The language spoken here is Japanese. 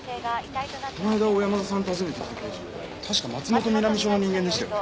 この間小山田さん訪ねてきた刑事確か松本南署の人間でしたよね？